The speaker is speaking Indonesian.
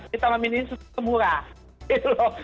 kita memilihnya semurah gitu loh